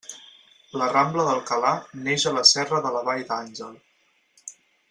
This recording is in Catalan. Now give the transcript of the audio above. La rambla d'Alcalà neix a la serra de la Vall d'Àngel.